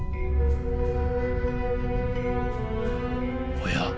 おや？